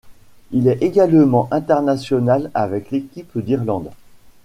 Il est également international avec l'équipe d'Irlande.